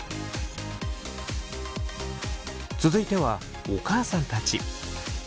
続いてはお母さんたち。